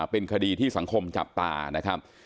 เป็นคดีที่สังคมจับตานะครับ